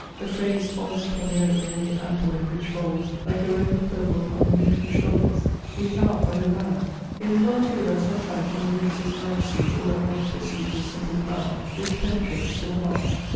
The phrase falls upon the idea in ample and rich folds, like a robe of purple on Olympian shoulders. You cannot but admire. It is weU too that sometimes from amidst this majesty all at once proceeds a simple cry, which penetrates to the heart.